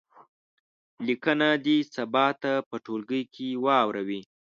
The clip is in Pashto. لیکنه دې سبا ته په ټولګي کې واوروي.